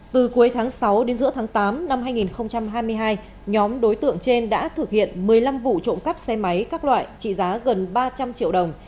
từ cuối tháng sáu đến giữa tháng tám năm hai nghìn hai mươi hai nhóm đối tượng trên đã thực hiện một mươi năm vụ trộm cắp xe máy các loại trị giá gần ba trăm linh triệu đồng